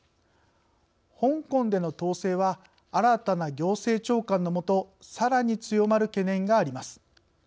香港での統制は新たな行政長官のもとさらに強まる懸念があります。